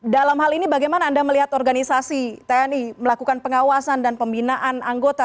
dalam hal ini bagaimana anda melihat organisasi tni melakukan pengawasan dan pembinaan anggota